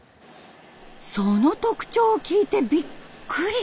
その特徴を聞いてびっくり！